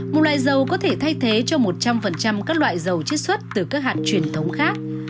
một loại dầu có thể thay thế cho một trăm linh các loại dầu chế xuất từ các hạt truyền thống khác